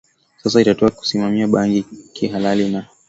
Sasa itatoa na kusimamia bangi kihalali na